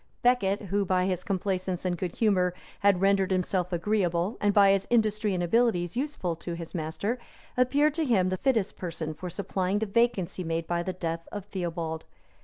Becket, who, by his complaisance and good humor, had rendered himself agreeable, and by his industry and abilities useful, to his master, appeared to him the fittest person for supplying the vacancy made by the death of Theobold.